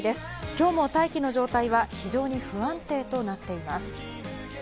今日も大気の状態は非常に不安定となっています。